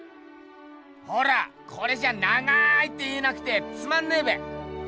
ほらこれじゃあ長いって言えなくてつまんねえべ。